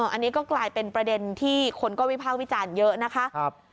อันนี้ก็กลายเป็นประเด็นที่คนก็วิภาควิจารณ์เยอะนะคะ